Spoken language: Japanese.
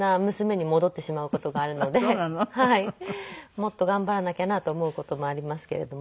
もっと頑張らなきゃなと思う事もありますけれども。